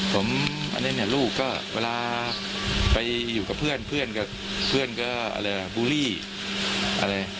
ผมอันนี้เนี่ยลูกก็เวลาไปอยู่กับเพื่อนเราก็ฟื้นก็อ่าเรย์บูลลี่อ่าเรย์